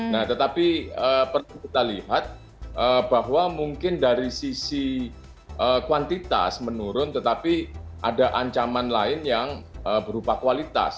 nah tetapi perlu kita lihat bahwa mungkin dari sisi kuantitas menurun tetapi ada ancaman lain yang berupa kualitas